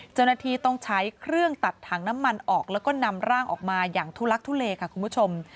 เจ้าหน้าที่ต้องใช้เครื่องตัดถังน้ำมันออกแล้วก็นำร่างออกมาอย่างทุลักทุเลค่ะคุณผู้ชม